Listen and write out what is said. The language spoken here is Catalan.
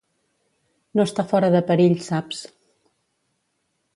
No està fora de perill, saps.